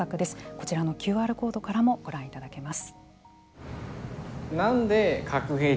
こちらのＱＲコードからもご覧いただけます。